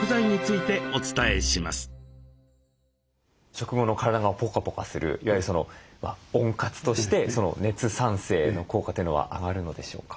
食後の体がポカポカするいわゆる温活として熱産生の効果というのは上がるのでしょうか？